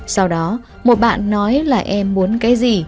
sau đó một bạn nói là em muốn cái gì